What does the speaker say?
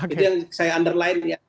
itu yang saya underline